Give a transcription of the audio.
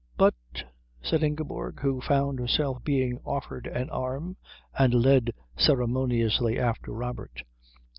"But " said Ingeborg, who found herself being offered an arm and led ceremoniously after Robert.